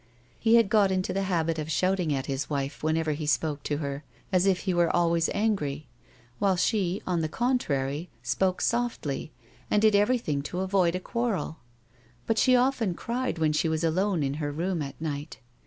He had got into the habit of shouting at his wife, whenever he spoke to her, as if he were always angry, while she, on the contrary, spoke softly, and did everything to avoid a quiirrel ; but she often cried when she was alone in her room at night.